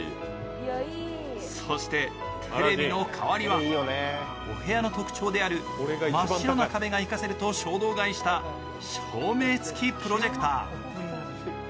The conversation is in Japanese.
そして、テレビの代わりはお部屋の特徴である真っ白の壁が生かせると衝動買いした照明付きプロジェクター。